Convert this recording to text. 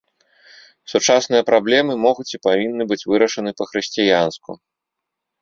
Сучасныя праблемы могуць і павінны быць вырашаны па-хрысціянску.